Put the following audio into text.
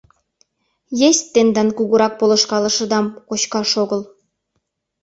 — Есть тендан кугурак полышкалышыдам кочкаш огыл!